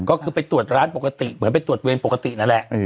ก็คือไปตรวจร้านปกติเหมือนไปตรวจเวรปกตินั่นแหละ